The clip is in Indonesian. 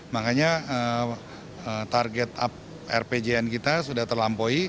karena target rpjn kita sudah terlampaui